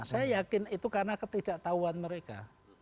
saya yakin itu karena ketidaktahuan mereka